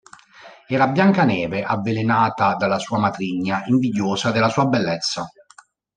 Era Biancaneve, avvelenata dalla sua matrigna, invidiosa della sua bellezza.